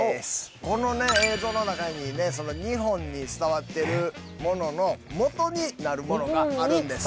この映像の中にね日本に伝わってるもののモトになるものがあるんです。